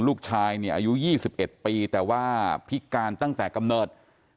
ลูกชายเนี่ยอายุ๒๑ปีแต่ว่าพิการตั้งแต่กำเนิด